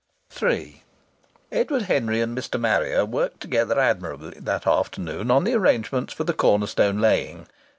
III Edward Henry and Mr. Marrier worked together admirably that afternoon on the arrangements for the corner stone laying.